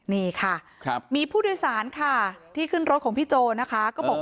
นี่ค่ะมีผู้โดยสารค่ะที่ขึ้นรถของพี่โจนะคะก็บอก